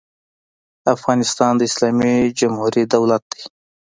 افغانستان د اسلامي جمهوري دولت دی.